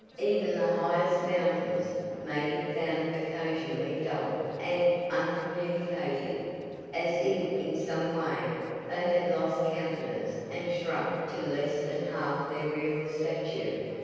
Even the highest mountains may be found occasionally dull and uncommunicative as if in some way they had lost countenance and shrunk to less than half their real stature.